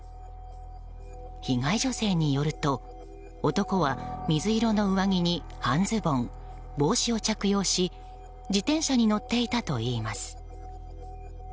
被害女性によると男は水色の上着に半ズボン、帽子を着用し自転車に乗っていたといいます。